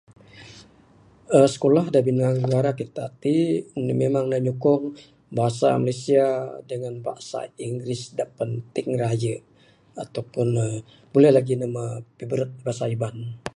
aaa sikulah da abih negara kita ti, ne memang ne nyuqkong bhasa Malaysia dengan bhasa English da penting raye. Ataupun aaa buleh lagi piberet bhasa Iban.